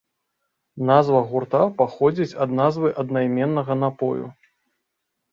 Назва гурта паходзіць ад назвы аднайменнага напою.